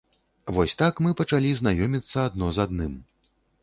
Вось так мы пачалі знаёміцца адно з адным.